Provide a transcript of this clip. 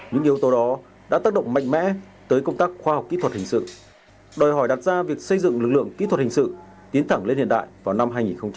những yếu tố đó đã tác động mạnh mẽ tới công tác khoa học kỹ thuật hình sự đòi hỏi đặt ra việc xây dựng lực lượng kỹ thuật hình sự tiến thẳng lên hiện đại vào năm hai nghìn hai mươi